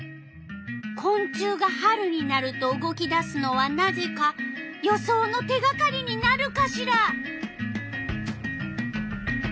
こん虫が春になると動き出すのはなぜか予想の手がかりになるかしら？